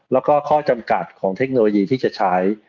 แล้วก็ข้อจำกัดของเทคโนโลยีที่จะใช้